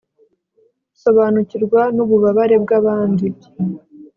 sobanukirwa n'ububabare bw'abandi